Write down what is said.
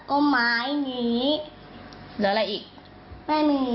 กลับหลบ